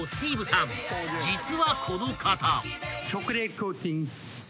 ［実はこの方］